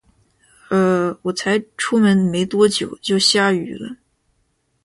呃，我才出门没多久，就下雨了